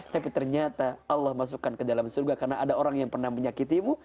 tapi ternyata allah masukkan ke dalam surga karena ada orang yang pernah menyakitimu